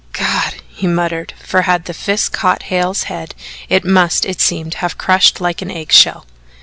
"God!" he muttered, for had the fist caught Hale's head it must, it seemed, have crushed it like an egg shell.